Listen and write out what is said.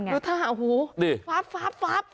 รู้ท่าโอ้โหฟาร์บฟาร์บฟาร์บ